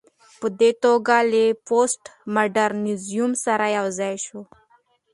په دې توګه له پوسټ ماډرنيزم سره يوځاى شو